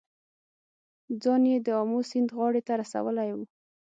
ځان یې د آمو سیند غاړې ته رسولی و.